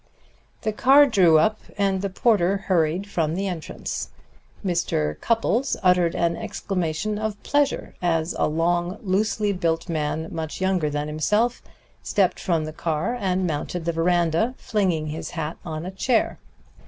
The car drew up and the porter hurried from the entrance. Mr. Cupples uttered an exclamation of pleasure as a long, loosely built man, much younger than himself, stepped from the car and mounted the veranda, flinging his hat on a chair.